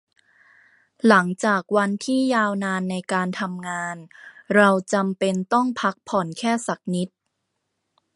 หลังจากวันที่ยาวนานในการทำงาน เราจำเป็นต้องพักผ่อนแค่สักนิด